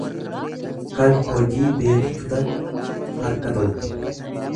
tan hojii beektutan. harka toltu.